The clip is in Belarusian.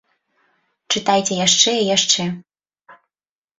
Чытайце яшчэ і яшчэ.